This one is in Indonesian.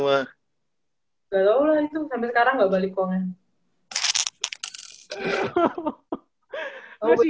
sampe sekarang gak balik uangnya